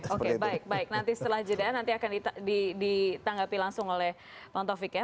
oke baik baik nanti setelah jeda nanti akan ditanggapi langsung oleh bang taufik ya